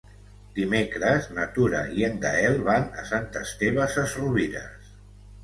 Dimecres na Tura i en Gaël van a Sant Esteve Sesrovires.